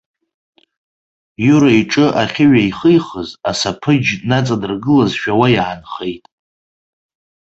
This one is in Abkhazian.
Иура иҿы ахьыҩеихихыз асаԥыџь наҵадыргылазшәа уа иаанхеит.